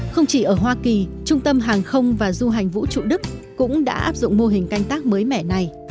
không chỉ ở hoa kỳ trung tâm hàng không và du hành vũ trụ đức cũng đã áp dụng mô hình canh tác mới mẻ này